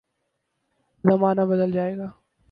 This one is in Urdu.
زمانہ بدل جائے گا۔